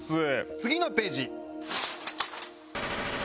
次のページ。